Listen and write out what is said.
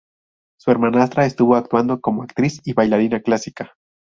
Su hermanastra estuvo actuando como actriz y bailarina clásica.